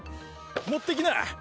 持ってきな。